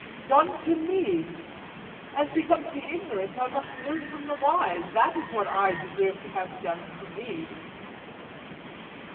Done to me!—as becomes the ignorant, I must learn from the wise—that is what I deserve to have done to me.